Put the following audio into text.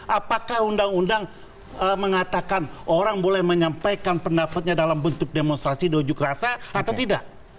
apakah undang undang mengatakan orang boleh menyampaikan pendapatnya dalam bentuk demonstrasi diujuk rasa atau tidak